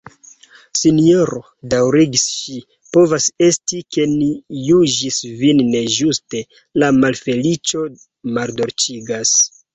"Sinjoro, daŭrigis ŝi, povas esti, ke ni juĝis vin nejuste: la malfeliĉo maldolĉigas."